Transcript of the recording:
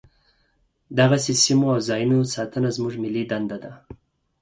دغسې سیمو او ځاینونو ساتنه زموږ ملي دنده ده.